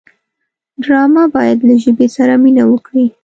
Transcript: ډرامه باید له ژبې سره مینه وکړي